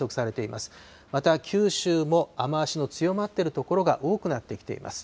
また九州も雨足の強まっている所が多くなってきています。